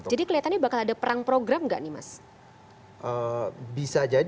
kelihatannya bakal ada perang program nggak nih mas